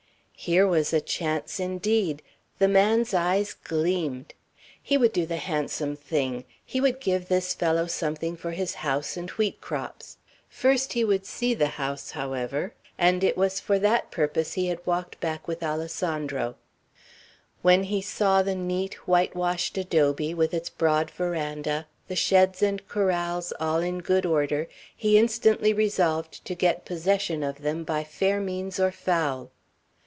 Here was a chance, indeed. The man's eyes gleamed. He would do the handsome thing. He would give this fellow something for his house and wheat crops. First he would see the house, however; and it was for that purpose he had walked back with Alessandro, When he saw the neat whitewashed adobe, with its broad veranda, the sheds and corrals all in good order, he instantly resolved to get possession of them by fair means or foul.